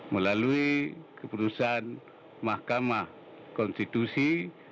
melalui keputusan mahkamah konstitusi